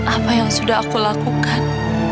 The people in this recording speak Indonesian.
apa yang sudah aku lakukan